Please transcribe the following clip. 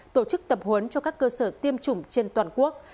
tổ chức tập huấn cho các cơ sở tiêm chủng trên toàn quốc